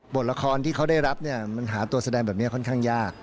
ละครที่เขาได้รับเนี่ยมันหาตัวแสดงแบบนี้ค่อนข้างยาก